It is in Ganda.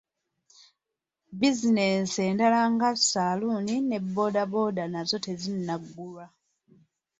Bizinensi endala nga; saluuni ne bbooda bbooda nazo tezinnaggulwa.